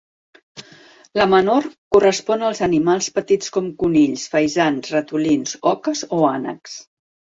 La menor correspon als animals petits com conills, faisans, ratolins, oques o ànecs.